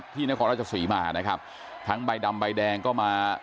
ที่นครราชสวีมาทั้งใบดำใบแดงก็มา